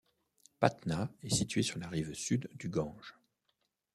Patna est située sur la rive sud du Gange.